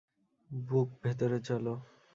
ব্যুক, ভেতরে চলো!